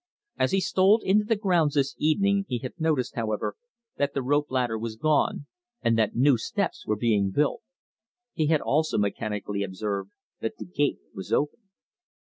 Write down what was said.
As he stole into the grounds this evening he had noticed, however, that the rope ladder was gone, and that new steps were being built. He had also mechanically observed that the gate was open.